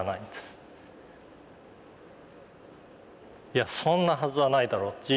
いやそんなはずはないだろう。